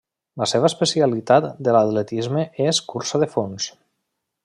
La seva especialitat de l'atletisme és cursa de fons.